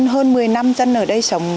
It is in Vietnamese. hơn một mươi năm dân ở đây sống